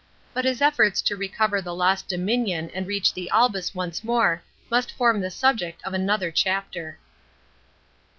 But his efforts to recover the lost dominion and reach the Albis once more must form the subject of another chapter.